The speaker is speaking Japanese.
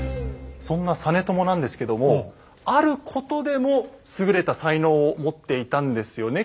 そんな実朝なんですけどもあることでも優れた才能を持っていたんですよね